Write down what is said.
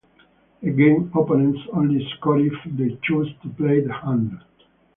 Again, opponents only score if they choose to play the hand.